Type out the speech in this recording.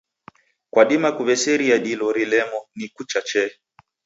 Kwadima kuw'eseria dilo rilemo ni kucha chee.